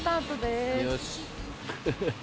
よし。